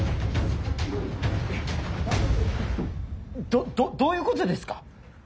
どどどういうことですか？